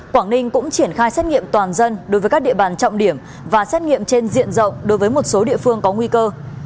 quảng ninh cũng triển khai xét nghiệm toàn dân đối với các địa bàn trọng điểm và xét nghiệm trên diện rộng đối với một số địa phương có nguy cơ